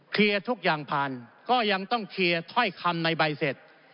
ทุกอย่างผ่านก็ยังต้องเคลียร์ถ้อยคำในใบเสร็จ